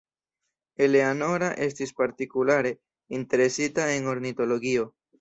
Eleanora estis partikulare interesita en ornitologio.